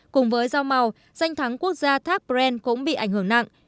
cùng với dao màu danh thắng quốc gia thác pren cũng bị ảnh hưởng nặng